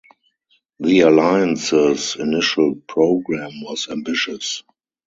The Alliance's initial program was ambitious.